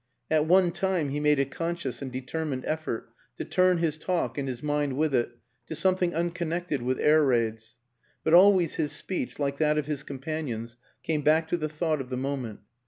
At one time he made a conscious and determined effort to turn his talk and his mind with it to something unconnected with air raids; but always his speech, like that of his companions, came back to the thought of the moment.